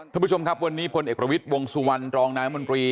ท่านผู้ชมครับวันนี้พลเอกประวิทย์วงสุวรรณรองนายมนตรี